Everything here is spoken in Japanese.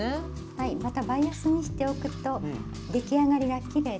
はいまたバイアスにしておくと出来上がりがきれいです。